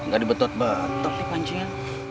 gak dibetot betot nih pancingnya